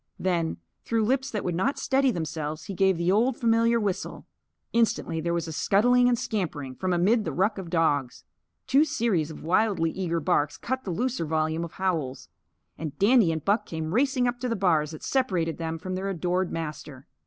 Then, through lips that would not steady themselves, he gave the old familiar whistle. Instantly there was a scuttling and scampering from amid the ruck of dogs. Two series of wildly eager barks cut the looser volume of howls. And Dandy and Buck came racing up to the bars that separated them from their adored master.